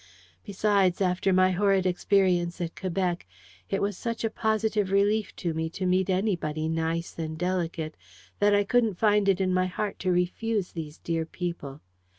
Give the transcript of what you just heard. Besides, after my horrid experience at Quebec, it was such a positive relief to me to meet anybody nice and delicate, that I couldn't find it in my heart to refuse these dear people.